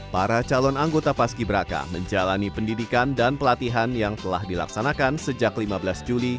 para calon anggota paski braka menjalani pendidikan dan pelatihan yang telah dilaksanakan sejak lima belas juli